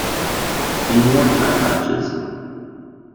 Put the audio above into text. in wartime matches.